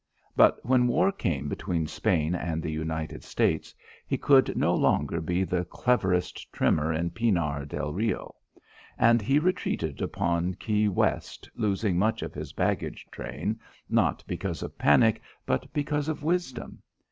But when war came between Spain and the United States he could no longer be the cleverest trimmer in Pinar del Rio. And he retreated upon Key West losing much of his baggage train, not because of panic but because of wisdom.